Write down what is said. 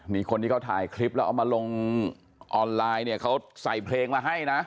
คนที่เขาถ่ายคลิปแล้วเอามาลงออนไลน์เนี่ยเขาใส่เพลงมาให้นะ